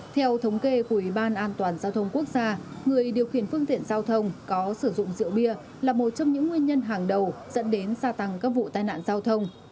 theo thống kê của ủy ban an toàn giao thông quốc gia người điều khiển phương tiện giao thông có sử dụng rượu bia là một trong những nguyên nhân hàng đầu dẫn đến gia tăng các vụ tai nạn giao thông